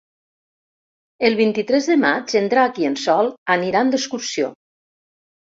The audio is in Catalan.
El vint-i-tres de maig en Drac i en Sol aniran d'excursió.